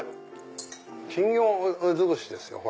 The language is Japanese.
金魚ずくしですよ。